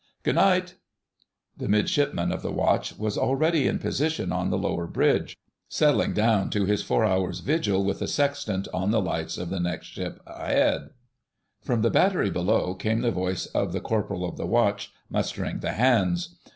"Good night." The Midshipman of the Watch was already in position on the upper bridge, settling down to his four hours' vigil with a sextant on the lights of the next ship ahead. From the battery below came the voice of the Corporal of the Watch mustering the hands.